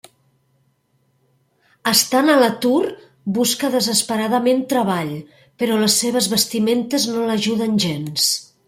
Estant a l'atur, busca desesperadament treball, però les seves vestimentes no l'ajuden gens.